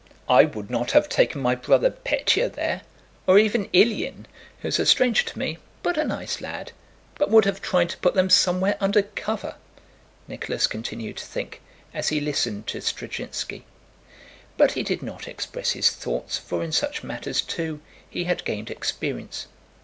I would not have taken my brother Pétya there, or even Ilyín, who's a stranger to me but a nice lad, but would have tried to put them somewhere under cover," Nicholas continued to think, as he listened to Zdrzhinski. But he did not express his thoughts, for in such matters, too, he had gained experience.